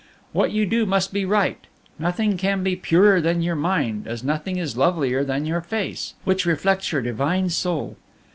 What you do must be right; nothing can be purer than your mind, as nothing is lovelier than your face, which reflects your divine soul.